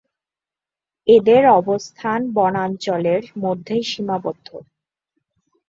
এদের অবস্থান বনাঞ্চলের মধ্যে সীমাবদ্ধ।